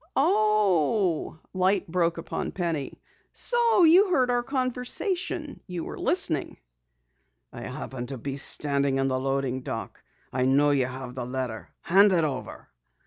"Oh!" Light broke upon Penny. "So you heard our conversation! You were listening!" "I happened to be standing in the loading dock. I know you have the letter. Hand it over."